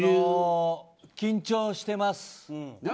緊張してます。